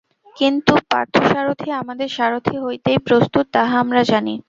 কিন্তু পার্থসারথি আমাদের সারথি হইতেই প্রস্তুত, তাহা আমরা জানি।